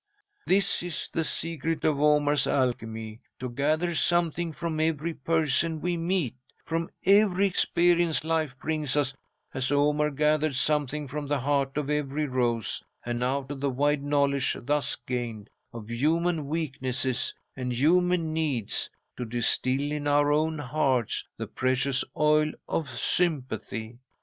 "This is the secret of Omar's alchemy, to gather something from every person we meet, from every experience life brings us, as Omar gathered something from the heart of every rose, and out of the wide knowledge thus gained, of human weaknesses and human needs, to distil in our own hearts the precious oil of sympathy.